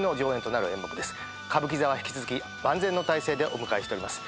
歌舞伎座は引き続き万全の態勢でお迎えしております。